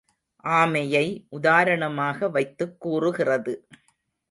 ஆமையை உதாரணமாக வைத்துக் கூறுகிறது.